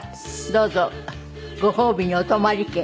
どうぞご褒美にお泊まり券。